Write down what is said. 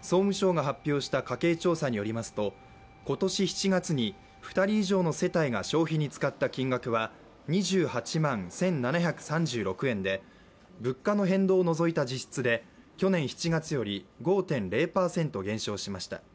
総務省が発表した家計調査によりますと今年７月に２人以上の世帯が消費に使った金額は２８万１７３６円で、物価の変動を除いた実質で去年７月より５．０％減少しました。